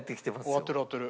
終わってる終わってる。